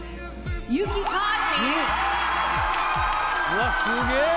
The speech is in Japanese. うわすげぇ！